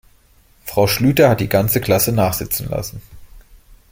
Frau Schlüter hat die ganze Klasse nachsitzen lassen.